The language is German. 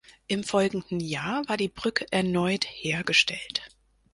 Im folgenden Jahr war die Brücke erneut hergestellt.